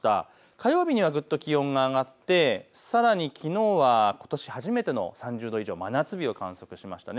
火曜日には気温がぐっと上がってさらにきのうはことし初めての３０度以上、真夏日を観測しました。